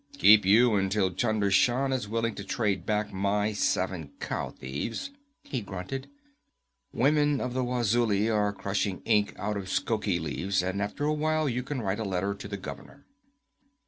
'Keep you until Chunder Shan is willing to trade back my seven cow thieves,' he grunted. 'Women of the Wazulis are crushing ink out of shoki leaves, and after a while you can write a letter to the governor.'